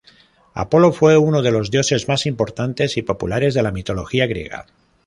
Apolo fue uno de los dioses más importantes y populares de la mitología griega.